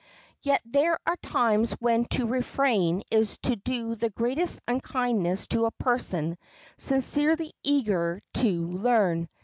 Yet there are times when to refrain is to do the greatest unkindness to a person sincerely eager to learn.